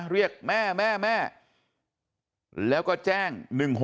เรียกแม่แม่แล้วก็แจ้ง๑๖๖